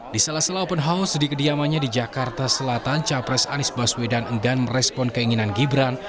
di salah salah open house di kediamannya di jakarta selatan capres anies baswedan enggan merespon keinginan gibran